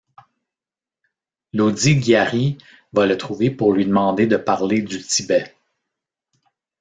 Lodi Gyari va le trouver pour lui demander de parler du Tibet.